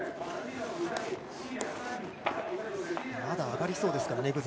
まだ上がりそうですからね